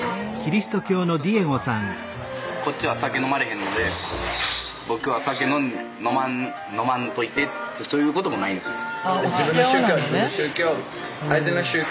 例えばこっちは酒飲まれへんので僕は酒飲まんといてってそういうこともないんですよ。